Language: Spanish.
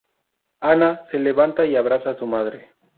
Anna se levanta y abraza a su madre.